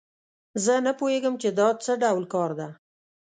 زه نه پوهیږم چې دا څه ډول کار ده